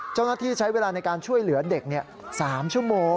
เจ้าหน้าที่ใช้เวลาในการช่วยเหลือเด็ก๓ชั่วโมง